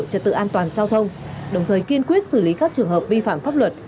trật tự an toàn giao thông đồng thời kiên quyết xử lý các trường hợp vi phạm pháp luật